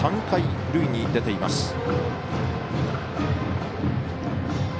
３回、塁に出ています。